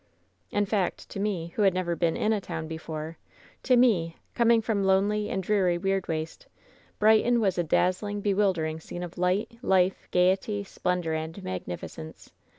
"In fact, to me, who had never been in a town before — to me, coming from lonely and dreary Weirdwaste— Brighton was a dazzling, bewildering scene of light, life, gayety, splendor and magnificence.